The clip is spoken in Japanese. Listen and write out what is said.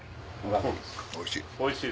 おいしい！